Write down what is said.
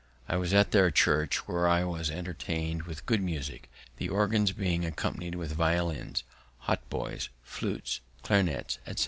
I was at their church, where I was entertain'd with good musick, the organ being accompanied with violins, hautboys, flutes, clarinets, etc.